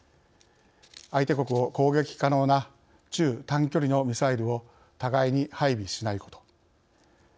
相手国を攻撃可能な中短距離のミサイルを互いに配備しないこと。